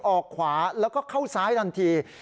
ออกขวาแล้วก็เข้าซ้ายทันที